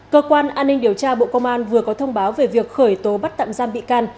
cơ quan an ninh điều tra bộ công an vừa có thông báo về việc khởi tố bắt tạm giam bị can